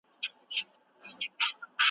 دی په ډېر احتیاط سره له خپل کټه پاڅېد.